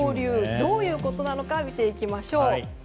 どういうことなのか見ていきましょう。